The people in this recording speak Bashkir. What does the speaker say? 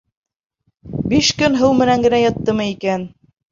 Биш көн һыу менән генә яттымы икән?